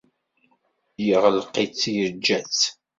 Yeɣelq-itt, yeğğa-tt.